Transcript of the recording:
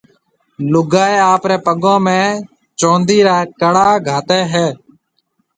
لوگائيَ آپريَ پگون ۾ چوندِي را ڪڙا گھاتيَ ھيََََ